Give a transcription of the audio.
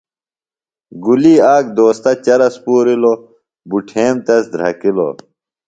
گُلی آک دوستہ چرس پُورِلوۡ بُٹھیم تس دھرکِلوۡ۔